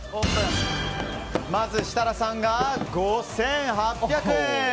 設楽さんが５８００円。